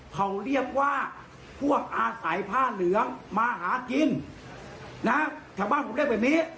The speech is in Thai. เขาเรียกว่าพวกอาศัยผ้าเหลืองมาหากินนะชาวบ้านผมเรียกแบบนี้